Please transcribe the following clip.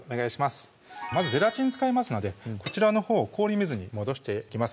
まずゼラチン使いますのでこちらのほう氷水に戻していきます